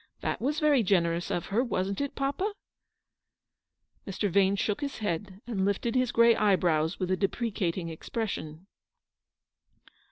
That was very generous of her, wasn't it, papa ?" Mr. Vane shook his head, and lifted his grey eyebrows with a deprecating expression.